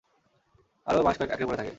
আরও মাস-কয়েক আঁকড়ে পড়ে থাক।